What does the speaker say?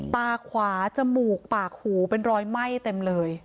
ตาขวาจมูกปากหูเป็นรอยไหม้เต็มเลย